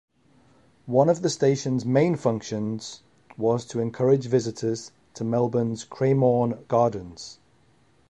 One of the station's main functions was to encourage visitors to Melbourne's Cremorne Gardens.